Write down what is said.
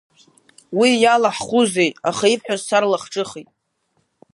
Уи иалаҳхузеи, аха ибҳәаз сарлахҿыхит.